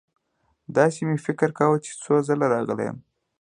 داسې مې فکر کاوه چې څو ځله راغلی یم.